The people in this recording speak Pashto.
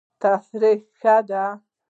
تفریح ښه دی.